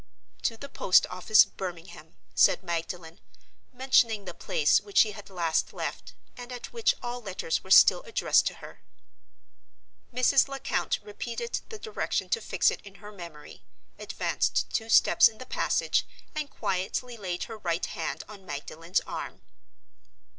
"To the post office, Birmingham," said Magdalen, mentioning the place which she had last left, and at which all letters were still addressed to her. Mrs. Lecount repeated the direction to fix it in her memory, advanced two steps in the passage, and quietly laid her right hand on Magdalen's arm.